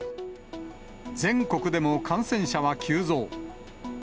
全国でも感染者は急増。